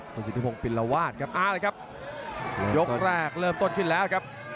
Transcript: คุณสุธิพงค์ปิลวาสครับยกแรกเริ่มต้นขึ้นแล้วครับ